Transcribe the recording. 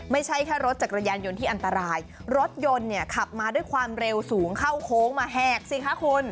ไม่ใช่แค่รถจักรยานยนต์ที่อันตรายรถยนต์เนี่ยขับมาด้วยความเร็วสูงเข้าโค้งมาแหกสิคะคุณ